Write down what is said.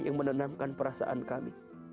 yang menenangkan perasaan kami